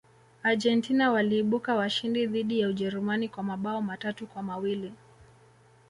argentina waliibuka washindi dhidi ya ujerumani kwa mabao matatu kwa mawili